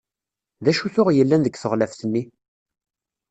D acu tuɣ yellan deg teɣlaft-nni?